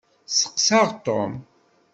Steqseɣ Tom.